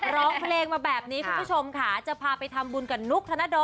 ร้องเพลงมาแบบนี้คุณผู้ชมค่ะจะพาไปทำบุญกับนุ๊กธนโด